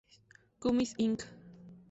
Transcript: Cummins Inc.